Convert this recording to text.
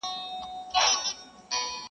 پلار او مور یې په قاضي باندي نازېږي,